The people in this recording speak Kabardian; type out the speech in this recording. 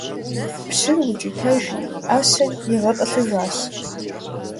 Пщыр укӀытэжри, Ӏэщэр игъэтӀылъыжащ.